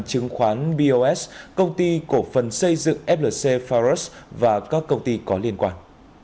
chứng khoán bos công ty cổ phần xây dựng flc faros và các công ty có liên quan